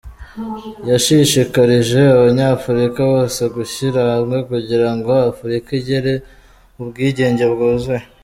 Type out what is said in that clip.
Yashishikarije Abanyafurika bose gushyira hamwe kugira ngo Afurika igire ubwigenge bwuzuye.